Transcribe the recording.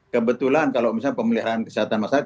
kebetulan kalau misalnya pemeliharaan kesehatan masyarakat